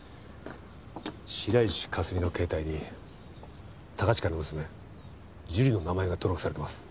白石佳澄の携帯に高近の娘樹里の名前が登録されてます。